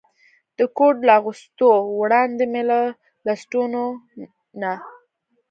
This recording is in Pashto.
د کوټ له اغوستو وړاندې مې له لستوڼو نه.